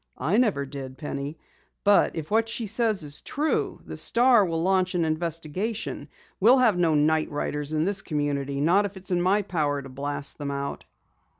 "I never did, Penny. But if what she says is true, the Star will launch an investigation. We'll have no night riders in this community, not if it's in my power to blast them out!"